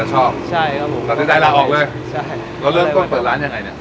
ผมก็จะชอบตัดสินใจละออกเลยเราเริ่มต้องเปิดร้านยังไงเนี่ย